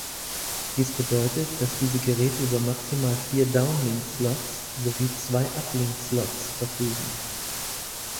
Dies bedeutet, dass diese Geräte über maximal vier Downlink-Slots sowie zwei Uplink-Slots verfügen.